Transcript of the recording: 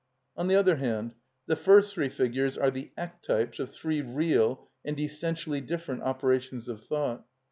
On the other hand, the first three figures are the ectypes of three real and essentially different operations of thought.